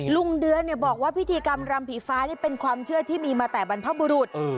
เดือนบอกว่าพิธีกรรมรำผีฟ้านี่เป็นความเชื่อที่มีมาแต่บรรพบุรุษ